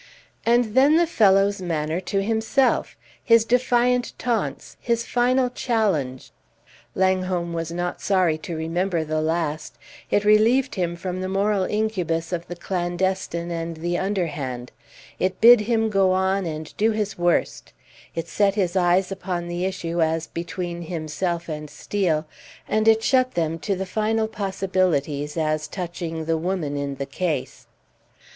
And then the fellow's manner to himself, his defiant taunts, his final challenge! Langholm was not sorry to remember the last; it relieved him from the moral incubus of the clandestine and the underhand; it bid him go on and do his worst; it set his eyes upon the issue as between himself and Steel, and it shut them to the final possibilities as touching the woman in the case.